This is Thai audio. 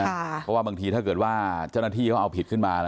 เพราะว่าบางทีถ้าเจ้าหน้าที่เอาผิดขึ้นมา